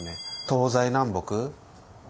東西南北